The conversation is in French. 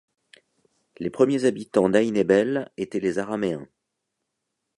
Les premiers habitants d'Ain-Ebel étaient les Araméens.